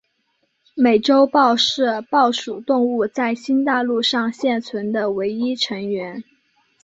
美洲豹是豹属动物在新大陆上现存的唯一成员。